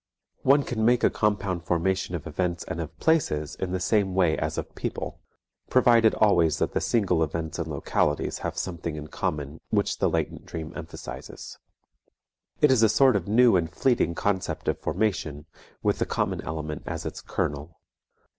One can make a compound formation of events and of places in the same way as of people, provided always that the single events and localities have something in common which the latent dream emphasizes. It is a sort of new and fleeting concept of formation, with the common element as its kernel.